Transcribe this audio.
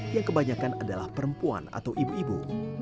yang kebanyakan adalah perempuan atau ibu ibu